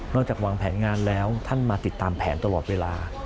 จากวางแผนงานแล้วท่านมาติดตามแผนตลอดเวลา